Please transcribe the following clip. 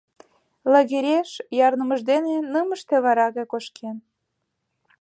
Лагереш ярнымыж дене нымыште вара гай кошкен.